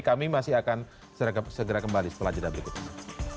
kami masih akan segera kembali setelah jeda berikutnya